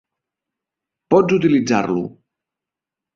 Pots utilitzar-lo.